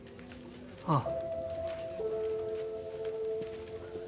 ああ。